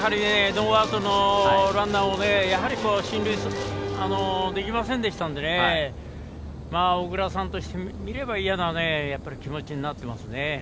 ノーアウトのランナーが進塁できなかったので小倉さんとしてみれば嫌な気持ちになってますね。